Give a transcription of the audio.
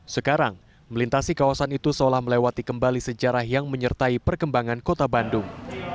sekarang melintasi kawasan itu seolah melewati kembali sejarah yang menyertai perkembangan kota bandung